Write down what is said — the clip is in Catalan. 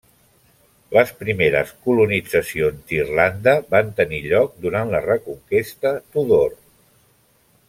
Les primeres colonitzacions d'Irlanda van tenir lloc durant la reconquesta Tudor.